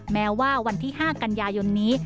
แม้ว่าวันที่๕กันยายนนี้